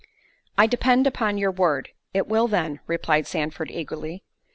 "I depend upon your word; it will then,"—replied Sandford eagerly.